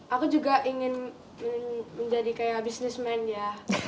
aku juga ingin menjadi kayak businessman ya